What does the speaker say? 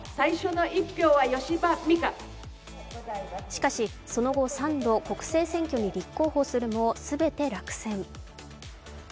しかし、その後、３度、国政選挙に立候補するも、全て落選。